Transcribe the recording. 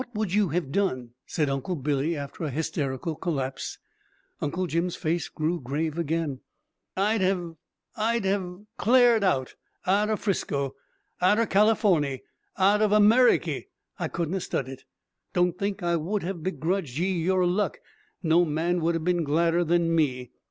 "What would you hev done?" said Uncle Billy, after an hysterical collapse. Uncle Jim's face grew grave again. "I'd hev I'd hev cl'ared out! Out er 'Frisco! out er Californy! out er Ameriky! I couldn't have stud it! Don't think I would hev begrudged ye yer luck! No man would have been gladder than me."